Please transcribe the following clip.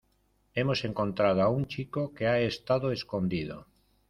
hemos encontrado a un chico que ha estado escondido